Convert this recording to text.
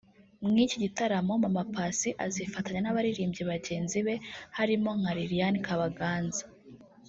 Mu Iki gitaramo Mama Passy azifatanya n’abaririmbyi bagenzi be harimo nka Lilianne Kabaganza